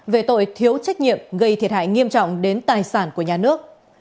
về tội thiếu trách nhiệm gây thiệt hại nghiêm trọng đến tài sản của nhà nước